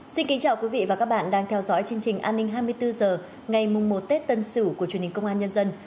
xin kính chào quý vị và các bạn đang theo dõi chương trình an ninh hai mươi bốn h ngày một tết tân sửu của truyền hình công an nhân dân